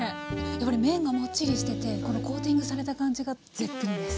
やっぱり麺がもっちりしててこのコーティングされた感じが絶品です。